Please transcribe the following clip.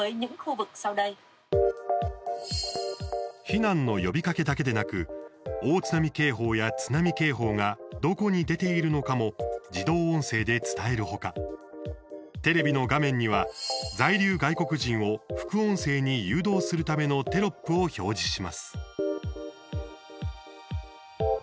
避難の呼びかけだけでなく大津波警報や津波警報がどこに出ているのかも自動音声で伝える他テレビの画面には在留外国人を副音声に誘導するためのテロップを表示します。